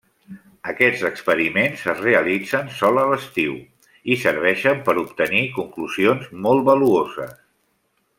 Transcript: Aquests experiments es realitzen sol a l'estiu, i serveixen per obtenir conclusions molt valuoses.